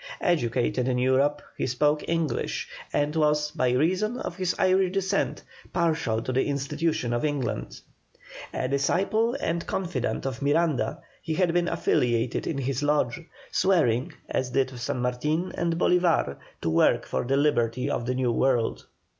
Educated in Europe he spoke English, and was, by reason of his Irish descent, partial to the institutions of England. A disciple and confidant of Miranda he had been affiliated in his lodge, swearing as did San Martin and Bolívar to work for the liberty of the New World.